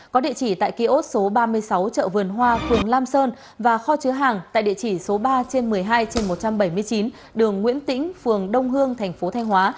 có địa chỉ tại kiosk số ba mươi sáu chợ vườn hoa phường lam sơn và kho chứa hàng tại địa chỉ số ba trên một mươi hai trên một trăm bảy mươi chín đường nguyễn tĩnh phường đông hương thành phố thanh hóa